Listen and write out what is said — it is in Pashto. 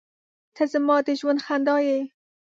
• ته زما د ژوند خندا یې.